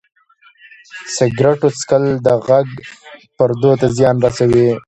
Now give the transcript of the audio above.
سګرټو څښل د غږ پردو ته زیان رسوي.